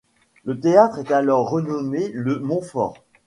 Le théâtre est alors renommé Le Monfort.